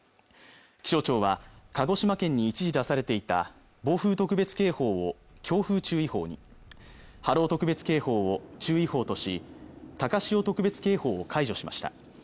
気象庁は鹿児島県に一時出されていた暴風特別警報を強風注意報に波浪特別警報を注意報とし高潮特別警報を解除しました